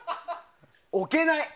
置けない。